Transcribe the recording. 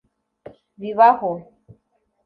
Bibaho